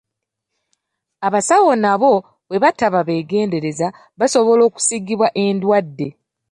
Abasawo nabo bwe bataba beegenderezza basobola okusiigibwa endwadde.